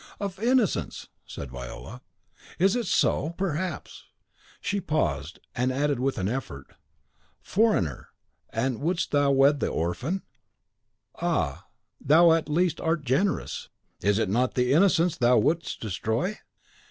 "Of innocence!" said Viola. "Is it so? Perhaps " She paused, and added, with an effort, "Foreigner! and wouldst thou wed the orphan? Ah, THOU at least art generous! It is not the innocence thou wouldst destroy!"